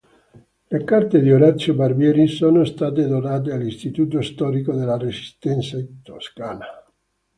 Le carte di Orazio Barbieri sono state donate all'Istituto Storico della Resistenza in Toscana.